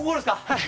はい。